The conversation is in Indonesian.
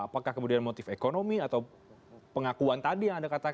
apakah kemudian motif ekonomi atau pengakuan tadi yang anda katakan